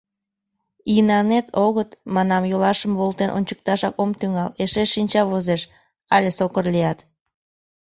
Инанет огыт, манам, йолашым волтен ончыкташак ом тӱҥал, эше шинча возеш, але сокыр лият.